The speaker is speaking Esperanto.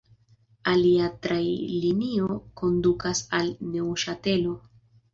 Alia trajnlinio kondukas al Neŭŝatelo.